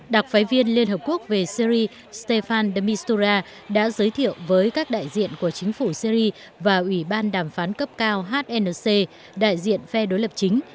đặc phái viên liên hợp quốc về syri stefan dmitura đã giới thiệu với các đại diện của chính phủ syri và ủy ban đàm phán cấp cao hnc đại diện phe đối lập chính